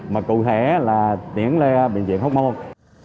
mà cụ thể là chuyển lên bệnh viện hóc môn